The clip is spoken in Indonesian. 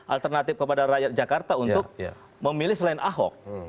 alternatif kepada rakyat jakarta untuk memilih selain ahok